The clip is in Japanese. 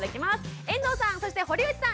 遠藤さんそして堀内さん